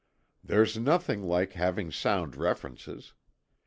There's nothing like having sound references.